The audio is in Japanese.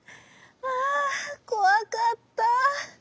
「あこわかった。